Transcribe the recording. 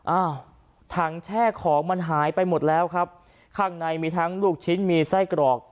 อ้าวถังแช่ของมันหายไปหมดแล้วครับข้างในมีทั้งลูกชิ้นมีไส้กรอก